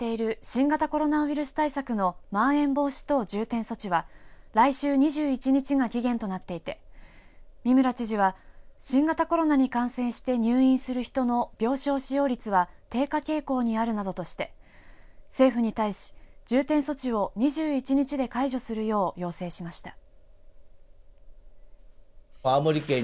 青森県に適用されている新型コロナウイルス対策のまん延防止等重点措置は来週２１日が期限となっていて三村知事は新型コロナに感染して入院する人の病床使用率は低下傾向にあるなどとして政府に対し重点措置を２１日で解除するよう要請しました。